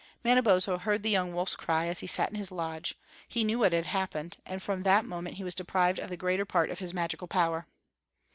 Manabozho heard the young wolf's cry as he sat in his lodge; he knew what had happened; and from that moment he was deprived of the greater part of his magical power.